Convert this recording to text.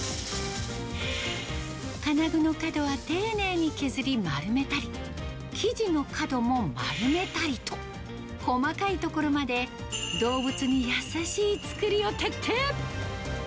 金具の角は丁寧に削り、丸めたり、生地の角も丸めたりと、細かいところまで、動物に優しい作りを徹底。